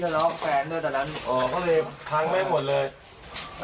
และเขาก็ไม่เจ็บ